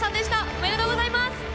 おめでとうございます！